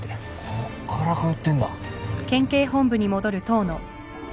こっから通ってんだ。